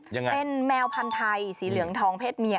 เป็นแมวพันธัยสีเหลืองทองเพศเมีย